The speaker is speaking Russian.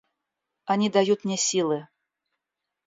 Они дают мне силы.